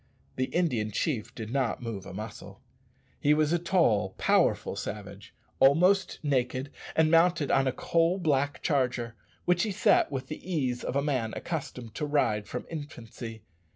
The Indian chief did not move a muscle. He was a tall, powerful savage, almost naked, and mounted on a coal black charger, which he sat with the ease of a man accustomed to ride from infancy.